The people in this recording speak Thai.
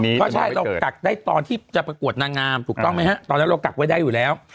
เพราะใช่เรากักได้ตอนที่จะประกวดนางงามถูกต้องไหมฮะตอนนั้นเรากักไว้ได้อยู่แล้ว